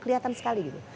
kelihatan sekali gitu